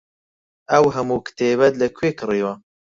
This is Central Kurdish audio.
ئەو هەموو کتێبەت لەکوێ کڕیوە؟